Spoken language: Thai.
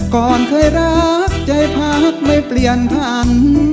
ก่อนเคยรักใจพักไม่เปลี่ยนพัน